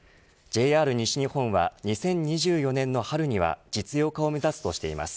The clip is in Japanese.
ＪＲ西日本は２０２４年の春には実用化を目指すとしています。